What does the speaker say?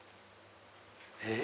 えっ？